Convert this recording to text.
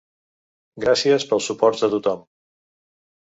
Gràcies pels suports de tothom.